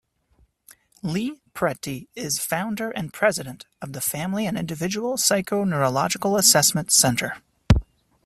Li Preti is founder and president of the Family and Individual Psychoneurological Assessment Centre.